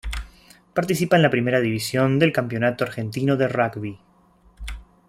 Participa en la Primera División del Campeonato Argentino de Rugby.